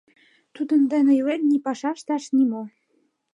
Тудын дене илен, ни паша ышташ, ни мо...